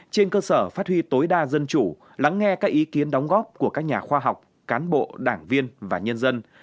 trên cơ sở phát huy tối đa dân chủ lắng nghe các ý kiến đóng góp của các nhà khoa học cán bộ đảng viên và nhân dân